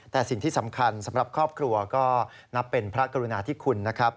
แต่สิ่งที่สำคัญสำหรับครอบครัวก็นับเป็นพระกรุณาธิคุณนะครับ